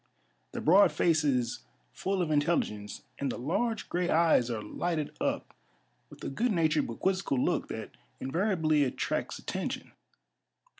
The broad face is full of intel ligence, and the large gray eyes are lighted up with a good natured but quizzical look that invariably attracts attention.